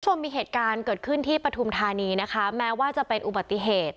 คุณผู้ชมมีเหตุการณ์เกิดขึ้นที่ปฐุมธานีนะคะแม้ว่าจะเป็นอุบัติเหตุ